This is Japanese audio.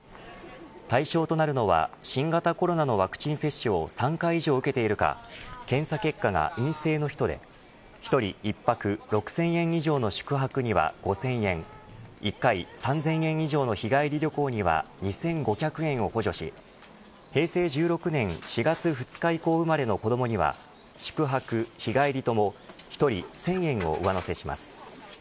対象となるのは新型コロナのワクチン接種を３回以上受けているか検査結果が陰性の人で、１人１泊６０００円以上の宿泊には５０００円１回３０００円以上の日帰り旅行には２５００円を補助し平成１６年４月２日以降生まれの子どもには宿泊、日帰りとも１人１０００円を上乗せします。